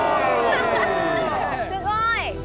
すごい。